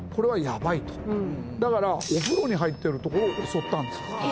だからお風呂に入っているところを襲ったんです。